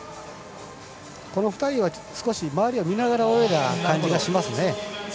この２人は少し周りを見ながら泳いだ感じがしますね。